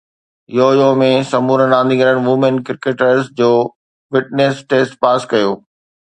U يو ۾ سمورن رانديگرن وومين ڪرڪيٽرز جو فٽنيس ٽيسٽ پاس ڪيو